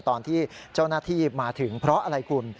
ตอนที่เจ้าหน้าที่มาถึงเพราะอะไรคุณ